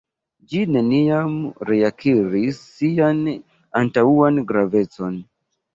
Ĝi neniam reakiris sian antaŭan gravecon.